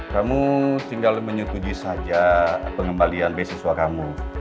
kamu tinggal menyetujui saja pengembalian beasiswa kamu